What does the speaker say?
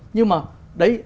nhưng mà đấy